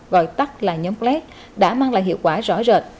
gọi tắt là nhóm plat đã mang lại hiệu quả rõ rệt